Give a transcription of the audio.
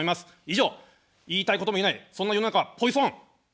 以上、言いたいことも言えない、そんな世の中はポイソン。